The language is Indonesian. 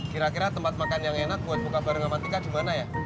kira kira tempat makan yang enak buat buka barang sama tika gimana ya